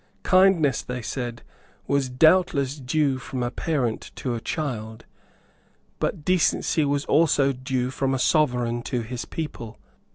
Kindness, they said, was doubtless due from a parent to a child; but decency was also due from a Sovereign to his people.